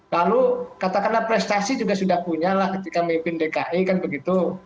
lalu katakanlah prestasi juga sudah punya lah ketika memimpin dki kan begitu